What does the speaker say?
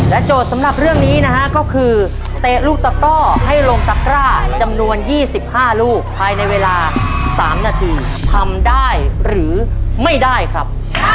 โจทย์สำหรับเรื่องนี้นะฮะก็คือเตะลูกตะก้อให้ลงตะกร้าจำนวน๒๕ลูกภายในเวลา๓นาทีทำได้หรือไม่ได้ครับ